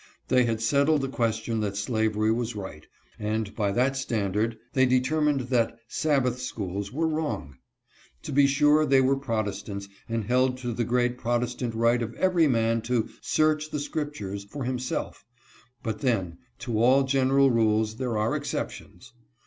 They had settled the question that slavery was right, and by that standard they determined that Sabbath schools were wrong. To be sure they were Protestants and held to the great Protestant right of every man to "search the Scriptures" for himself ; but then, to all general rules there are exceptions.